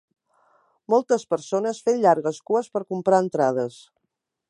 Moltes persones fent llargues cues per comprar entrades.